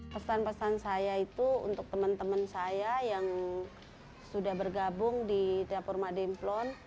pesan pesan saya itu untuk teman teman saya yang sudah bergabung di dapur mak demplon